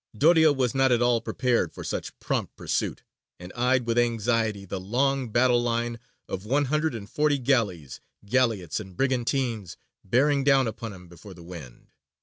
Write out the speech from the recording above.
Doria was not at all prepared for such prompt pursuit, and eyed with anxiety the long battle line of one hundred and forty galleys, galleots, and brigantines, bearing down upon him before the wind.